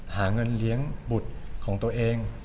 หาเงินเลี้ยงบุตรของตัวเอง